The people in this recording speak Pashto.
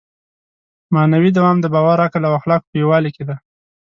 معنوي دوام د باور، عقل او اخلاقو په یووالي کې دی.